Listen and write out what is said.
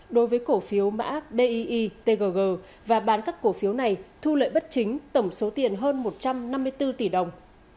đối với cổ phiếu mã bi tg và bán các cổ phiếu này thu lợi bất chính tổng số tiền hơn một trăm năm mươi bốn tỷ đồng